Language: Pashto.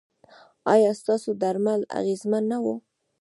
ایا ستاسو درمل اغیزمن نه وو؟